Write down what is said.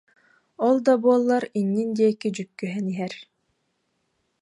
Ол да буоллар, иннин диэки дьүккүһэн иһэр